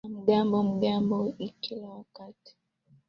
a magombano magombano kila wakati